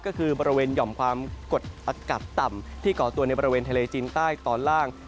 ก็คือบริเวณหย่อมความกดอากาศต่ำที่ก่อตัวในบริเวณทะเลจีนใต้ตอนล่าง